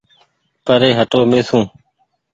پري هٽو ميسون